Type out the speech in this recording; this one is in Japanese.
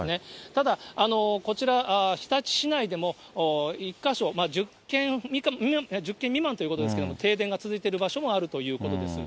ただ、こちら、日立市内でも１か所、１０軒未満ということですけど、停電が続いている場所もあるということです。